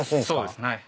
そうですね。